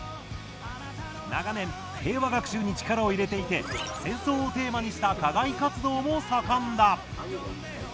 長年平和学習に力を入れていて戦争をテーマにした課外活動も盛んだ